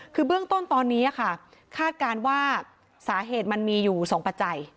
คือเบื้องต้นตอนนี้ค่ะคาดการณ์ว่าสาเหตุมันมีอยู่๒ปัจจัย